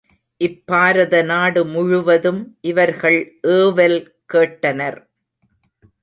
இப்பாரத நாடு முழுவதும் இவர்கள் ஏவல் கேட்டனர்.